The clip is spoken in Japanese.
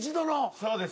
そうです。